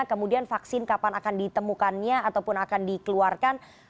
kemudian vaksin kapan akan ditemukannya ataupun akan dikeluarkan